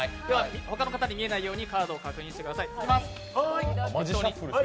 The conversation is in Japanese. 他の方に見えないようにカードを確認してください。